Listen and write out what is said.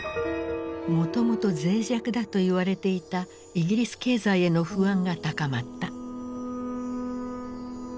もともとぜい弱だと言われていたイギリス経済への不安が高まった。